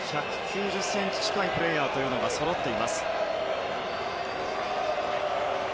１９０ｃｍ近いプレーヤーがそろっています。